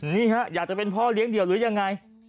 นี่ฮะอยากจะเป็นพ่อเลี้ยงเดี่ยวหรือยังไง